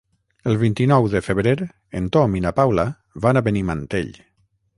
El vint-i-nou de febrer en Tom i na Paula van a Benimantell.